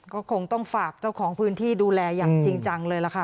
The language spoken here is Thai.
ก็คงต้องฝากเจ้าของพื้นที่ดูแลอย่างจริงจังเลยล่ะค่ะ